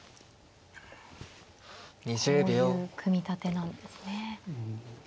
こういう組み立てなんですね。